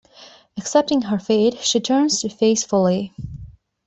Accepting her fate, she turns to face Foley.